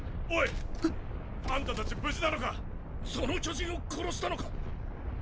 オイッ⁉あんたたち無事なのか⁉その巨人を殺したのか⁉